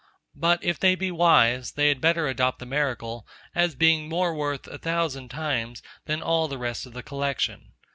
But if they be wise, they had better adopt the miracle, as being more worth, a thousand times, than all the rest of the collection.